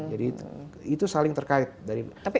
jadi itu saling terkait dari fisik